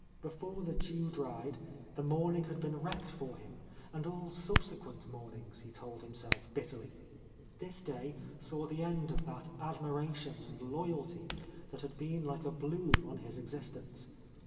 Be fore the dew dried, the morning had been wrecked for him; and all subsequent mornings, he told himself bitterly. This day saw the end of that admiration and loyalty that had been like a bloom on his existence.